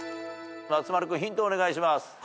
松丸君ヒントをお願いします。